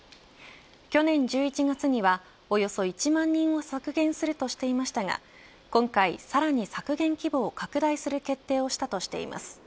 去年１１月にはおよそ１万人を削減するとしていましたが今回さらに、削減規模を拡大する決定をしたとしています。